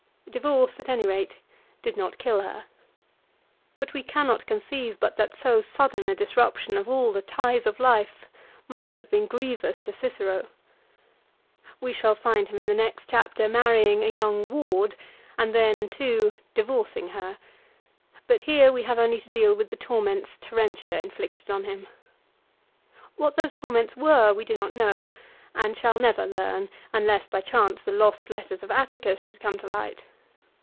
Divorce at any rate did not kill her. But we cannot conceive but that so sudden a disruption of all the ties of life must have been grievous to Cicero. We shall find him in the next chapter marrying a young ward, and then, too, divorcing her ; but here we have only to deal with the torments Tereutia inflicted on him. What those torments were we do not know, and shall never learn unless Ijy chance the lost letters of Atticus should come to light.